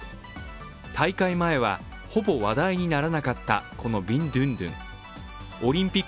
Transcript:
大会前は、ほぼ話題にならなかったこのビンドゥンドゥン。